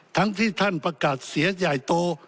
ทั้งที่ท่านประกาศเสียใหญ่โต